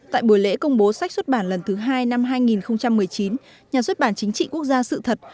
tại buổi lễ công bố sách xuất bản lần thứ hai năm hai nghìn một mươi chín nhà xuất bản chính trị quốc gia sự thật